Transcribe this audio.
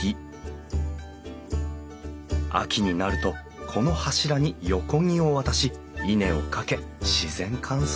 秋になるとこの柱に横木を渡し稲をかけ自然乾燥させる。